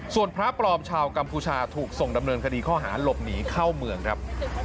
ส่วนพระปลอมชาวกัมพูชาถูกส่งดำเนินคดีข้อหาหลบหนีเข้าเมืองครับ